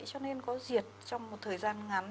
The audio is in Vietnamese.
cho nên có diệt trong một thời gian ngắn